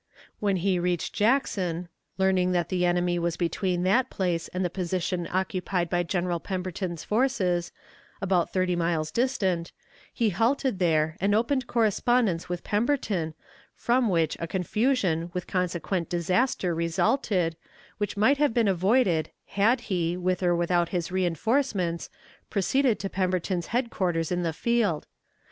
When he reached Jackson, learning that the enemy was between that place and the position occupied by General Pemberton's forces, about thirty miles distant, he halted there and opened correspondence with Pemberton, from which a confusion with consequent disaster resulted, which might have been avoided had he, with or without his reënforcements, proceeded to Pemberton's headquarters in the field.